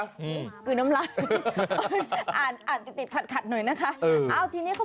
โอ้โห